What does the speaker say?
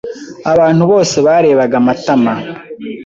Abantu bose barebaga Matama.